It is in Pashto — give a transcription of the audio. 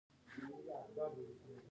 لوگر د افغان کلتور سره تړاو لري.